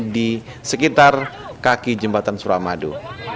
di sekitar kaki jembatan suramadu